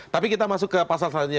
tapi kita masuk ke pasal selanjutnya